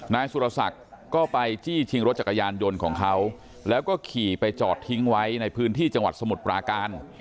นายสุรศักดิ์ก็ไปจี้ชิงรถจักรยานยนต์ของเขาแล้วก็ขี่ไปจอดทิ้งไว้ในพื้นที่จังหวัดสมุทรปราการ